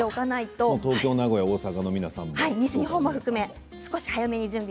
東京、名古屋大阪の皆さんも。